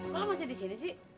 kok lo masih disini sih